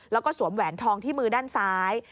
แล้วก็สวมแหวนทองที่มือด้านซ้าย